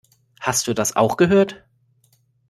Hast du das auch gehört?